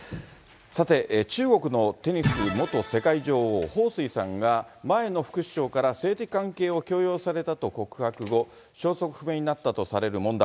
さて、中国のテニス元世界女王、彭帥さんが、前の副首相から性的関係を強要されたと告白後、消息不明になったとされる問題。